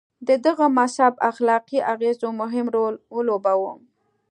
د دغه مذهب اخلاقي اغېزو مهم رول ولوباوه.